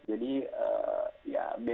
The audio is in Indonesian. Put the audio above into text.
jadi ya beda